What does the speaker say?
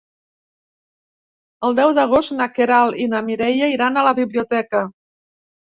El deu d'agost na Queralt i na Mireia iran a la biblioteca.